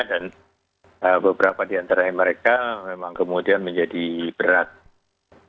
dan beberapa di antara mereka memang kemudian menjadi berantakan